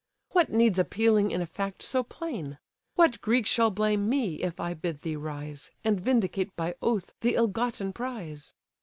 What needs appealing in a fact so plain? What Greek shall blame me, if I bid thee rise, And vindicate by oath th' ill gotten prize?